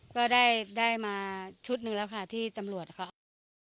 ก็ได้มาชุดหนึ่งแล้วค่ะที่ตำรวจเขาเอามา